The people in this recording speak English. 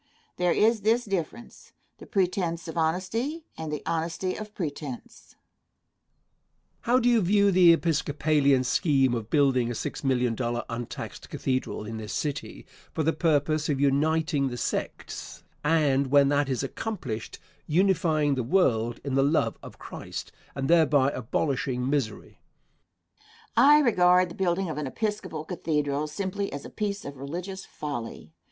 There is this difference: The pretence of honesty and the honesty of pretence. Question. How do you view the Episcopalian scheme of building a six million dollar untaxed cathedral in this city for the purpose of "uniting the sects," and, when that is accomplished, "unifying the world in the love of Christ," and thereby abolishing misery? Answer. I regard the building of an Episcopal cathedral simply as a piece of religious folly.